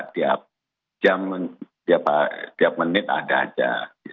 tiap jam tiap menit ada saja